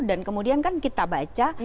dan kemudian kan kita baca